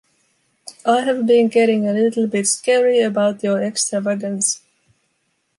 I have been getting a little bit scary about your extravagance.